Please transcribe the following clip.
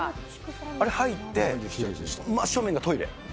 あれ入って、真正面がトイレ。